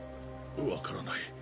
分からない。